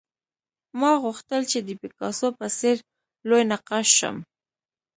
ما غوښتل چې د پیکاسو په څېر لوی نقاش شم